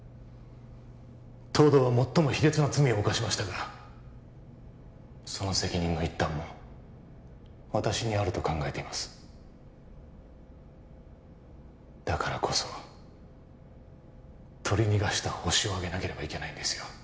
東堂は最も卑劣な罪を犯しましたがその責任の一端も私にあると考えていますだからこそ取り逃がしたホシをあげなければいけないんですよ